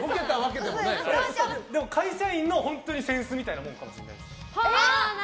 会社員の本当に扇子みたいなものかもしれないです。